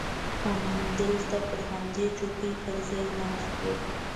همدلته پر همدې چوکۍ کرزى ناست و.